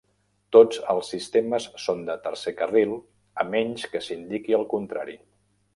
Tots els sistemes són de tercer carril a menys que s'indiqui el contrari.